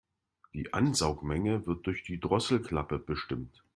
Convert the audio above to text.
Die Ansaugmenge wird durch die Drosselklappe bestimmt.